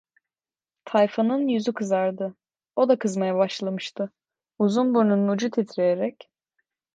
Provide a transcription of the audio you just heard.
Tayfanın yüzü kızardı, o da kızmaya başlamıştı, uzun burnunun ucu titreyerek: